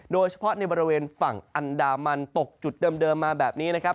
โดยเฉพาะในบริเวณฝั่งอันดามันตกจุดเดิมมาแบบนี้นะครับ